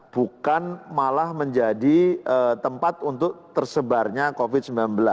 bukan malah menjadi tempat untuk tersebarnya covid sembilan belas